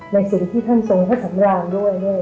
ในสื่อที่ท่านทรงธสำนรารด้วย